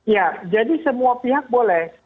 ya jadi semua pihak boleh